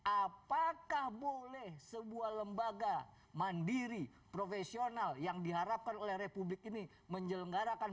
apakah boleh sebuah lembaga mandiri profesional yang diharapkan oleh republik ini menyelenggarakan